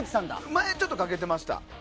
前はちょっとかけてました。